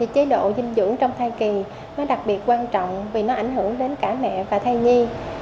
chế độ dinh dưỡng trong thai kỳ đặc biệt quan trọng vì nó ảnh hưởng đến cả mẹ và thai nhi